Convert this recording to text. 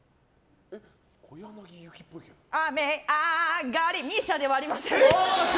雨上がりＭＩＳＩＡではありません。